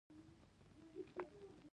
تاریخ د خپل ولس د عادي خلکو يادښت دی.